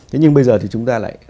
thế nhưng bây giờ thì chúng ta lại